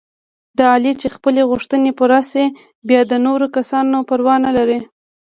د علي چې خپلې غوښتنې پوره شي، بیا د نورو کسانو پروا نه لري.